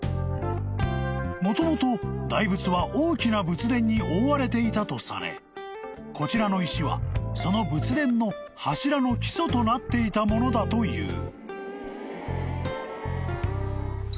［もともと大仏は大きな仏殿に覆われていたとされこちらの石はその仏殿の柱の基礎となっていたものだという］